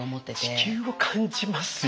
地球を感じますよね。